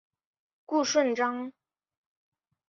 顾顺章。